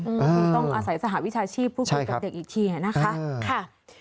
คงต้องอาศัยสหวิชาชีพพูดคุยกับเด็กอีกทีนะคะ